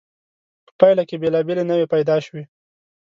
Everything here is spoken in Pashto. په پایله کې بېلابېلې نوعې پیدا شوې.